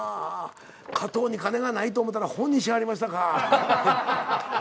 加藤に金がないと思ったら本にしはりましたか。